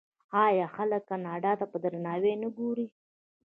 آیا خلک کاناډا ته په درناوي نه ګوري؟